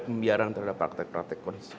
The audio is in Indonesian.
pembiaran terhadap praktek praktek